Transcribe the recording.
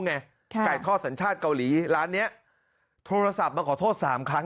ไก่ทอดสัญชาติเกาหลีร้านนี้โทรศัพท์มาขอโทษ๓ครั้ง